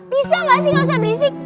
bisa gak sih gak usah berisik